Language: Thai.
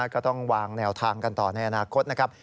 ก็ต้องวางแนวทางกันต่อในอนาคตนะครับ